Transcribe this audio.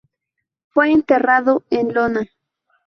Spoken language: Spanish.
Fue enterrado en Iona.